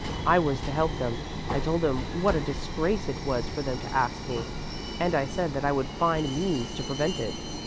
I was to help them. I told them what a disgrace it was for them to ask me and I said that I would find means to prevent it.